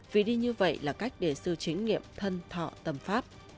vì đi như vậy là cách để sư chứng nghiệm thân thọ tầm pháp